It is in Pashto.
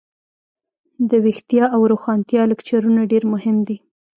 دویښتیا او روښانتیا لکچرونه ډیر مهم دي.